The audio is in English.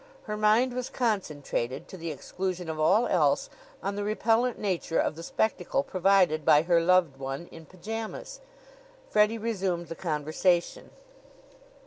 Her mind was concentrated, to the exclusion of all else, on the repellent nature of the spectacle provided by her loved one in pyjamas. Freddie resumed the conversation.